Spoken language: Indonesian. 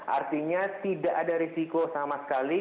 artinya tidak ada risiko sama sekali